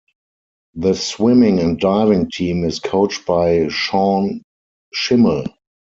The swimming and diving team is coached by Sean Schimmel.